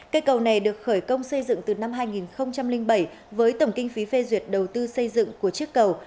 cây cầu này được khởi công xây dựng từ năm hai nghìn bảy với tổng kinh phí phê duyệt đầu tư xây dựng của chiếc cầu